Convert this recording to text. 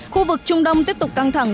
khu vực trung đông tiếp tục căng thẳng